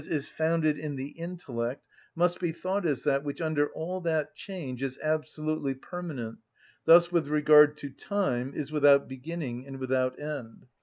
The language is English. _, is founded in the intellect must be thought as that which under all that change is absolutely permanent, thus with regard to time is without beginning and without end.